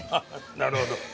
なるほど。